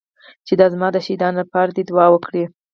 چې زما د شهيدانو لپاره دې دعا وکړي.